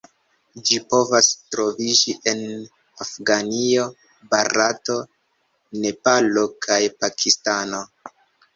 Ĝi povas troviĝi en Afganio, Barato, Nepalo kaj Pakistano.